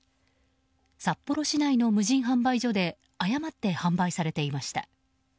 札幌市内の無人販売所で誤って販売されていました。